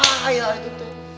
bahaya itu tuh